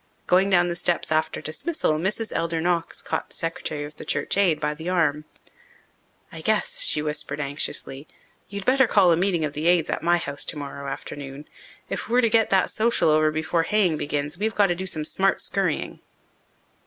Going down the steps after dismissal Mrs. Elder Knox caught the secretary of the Church Aid by the arm. "I guess," she whispered anxiously, "you'd better call a special meeting of the Aids at my house tomorrow afternoon. If we're to get that social over before haying begins we've got to do some smart scurrying."